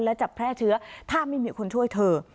และจะแพร่เชื้อถ้าไม่มีคนช่วยเธอ